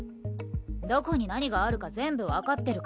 どこに何があるか全部わかってるから。